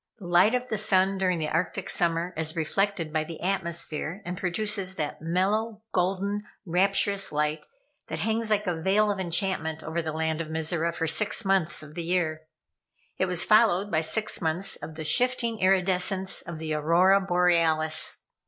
The light of the sun during the Arctic summer is reflected by the atmosphere, and produces that mellow, golden, rapturous light that hangs like a veil of enchantment over the land of Mizora for six months in the year. It was followed by six months of the shifting iridescence of the Aurora Borealis.